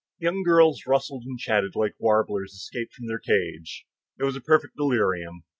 The young girls rustled and chatted like warblers escaped from their cage. It was a perfect delirium.